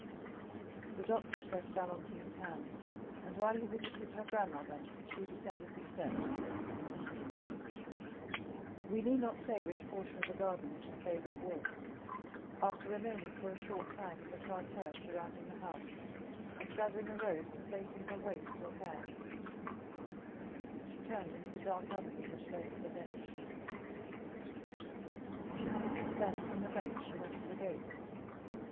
The doctor pressed Valentine's hand, and while he visited her grandmother, she descended the steps. We need not say which portion of the garden was her favorite walk. After remaining for a short time in the parterre surrounding the house, and gathering a rose to place in her waist or hair, she turned into the dark avenue which led to the bench; then from the bench she went to the gate.